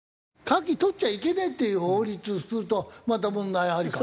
カキ採っちゃいけねえっていう法律作るとまた問題ありか。